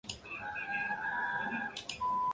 兴趣是即时观赏及跳舞。